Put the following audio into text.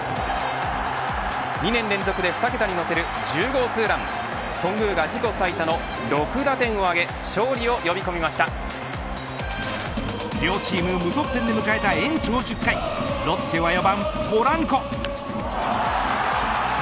２年連続で２桁にのせる１０号ツーラン頓宮が自己最多の６打点を挙げ両チーム無得点で迎えた延長１０回ロッテは４番ポランコ。